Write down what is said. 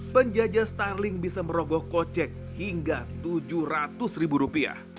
penjajah starling bisa merogoh kocek hingga rp tujuh ratus ribu rupiah